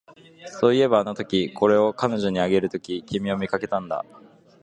そういえば、あのとき、これを彼女にあげるとき、君を見かけたんだ